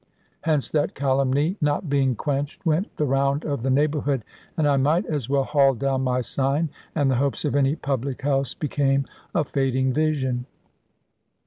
Hence that calumny, not being quenched, went the round of the neighbourhood; and I might as well haul down my sign, and the hopes of any public house became a fading vision.